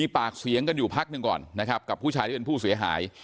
ปากเสียงกันอยู่พักหนึ่งก่อนนะครับกับผู้ชายที่เป็นผู้เสียหาย